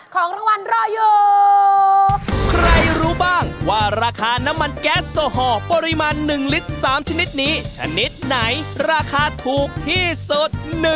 ทราบไหมคะว่าน้ำมันแบบไหนราคาถูกที่สุด